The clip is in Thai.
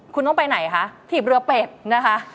คุณต้องไปไหนคะถีบเรือเป็ดนะคะ